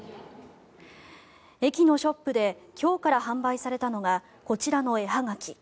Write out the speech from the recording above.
駅のショップで今日から販売されたのがこちらの絵葉書。